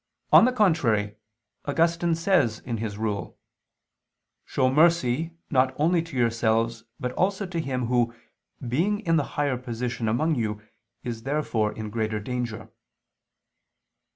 On the contrary, Augustine says in his Rule: "Show mercy not only to yourselves, but also to him who, being in the higher position among you, is therefore in greater danger."